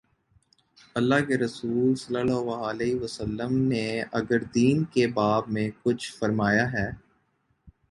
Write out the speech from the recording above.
اﷲ کے رسولﷺ نے اگر دین کے باب میں کچھ فرمایا ہے۔